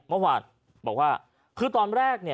เมื่อวานบอกว่าคือตอนแรก